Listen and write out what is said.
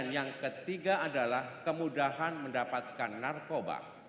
yang ketiga adalah kemudahan mendapatkan narkoba